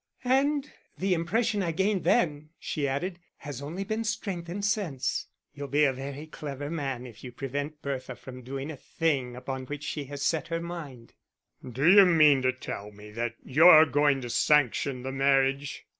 "And the impression I gained then," she added, "has only been strengthened since. You'll be a very clever man if you prevent Bertha from doing a thing upon which she has set her mind." "D'you mean to tell me that you're going to sanction the marriage?"